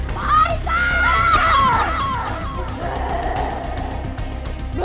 ไปหาลูกพ่อนะฟัง